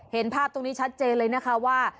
เห็นภาพตรงนี้ชัดเจนเลยนะคะว่า